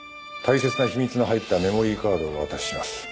大切な秘密の入ったメモリーカードをお渡しします。